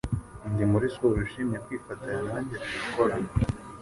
Ndi muri siporo ushimye kwifatanya nanjye twakorana